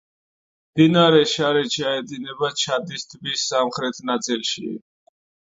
მდინარე შარი ჩაედინება ჩადის ტბის სამხრეთ ნაწილში.